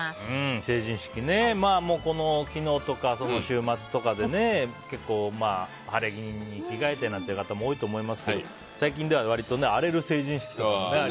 成人式ね昨日とか週末とかで晴れ着に着替えてなんて方もいるかもしれないですけど最近では割と荒れる成人式とかもね。